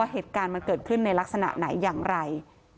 เหตุการณ์มันเกิดขึ้นในลักษณะไหนอย่างไร